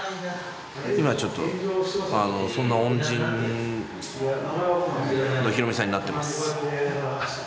今はちょっと、そんな恩人のヒロミさんになってます。